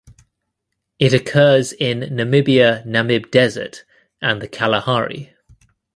It occurs in Namibia Namib Desert and the Kalahari.